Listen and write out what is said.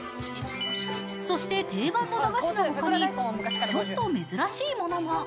そして定番の駄菓子のほかに、ちょっと珍しいものが。